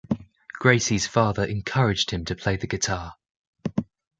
Gracie's father encouraged him to play the guitar.